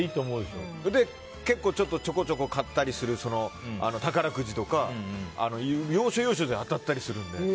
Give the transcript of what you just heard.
結構ちょこちょこ買ったりする宝くじとか要所要所で当たったりするので。